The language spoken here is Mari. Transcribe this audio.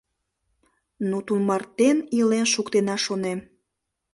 Но тумартен илен шуктена шонем.